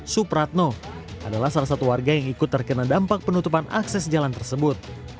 supratno adalah salah satu warga yang ikut terkena dampak penutupan akses jalan tersebut